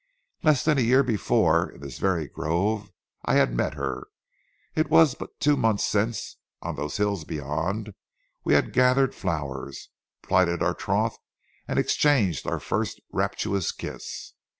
Less than a year before, in this very grove, I had met her; it was but two months since, on those hills beyond, we had gathered flowers, plighted our troth, and exchanged our first rapturous kiss.